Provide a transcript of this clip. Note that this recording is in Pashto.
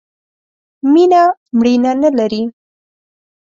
مینه ، مړینه نه لري.